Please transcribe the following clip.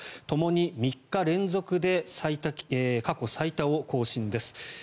ともに３日連続で過去最多を更新です。